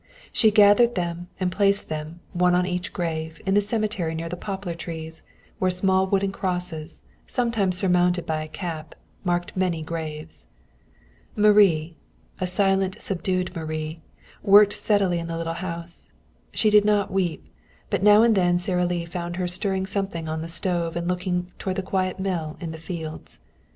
She gathered them and placed them, one on each grave, in the cemetery near the poplar trees, where small wooden crosses, sometimes surmounted by a cap, marked many graves. Marie, a silent subdued Marie, worked steadily in the little house. She did not weep, but now and then Sara Lee found her stirring something on the stove and looking toward the quiet mill in the fields.